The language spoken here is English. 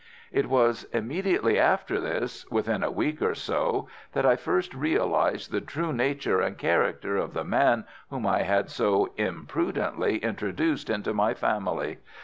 "It was immediately after this—within a week or so—that I first realized the true nature and character of the man whom I had so imprudently introduced into my family.